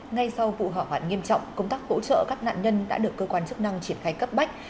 ngay sau vụ hỏa hoạn nghiêm trọng công tác hỗ trợ các nạn nhân đã được cơ quan chức năng triển khai cấp bách